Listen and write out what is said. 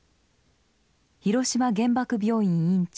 広島原爆病院院長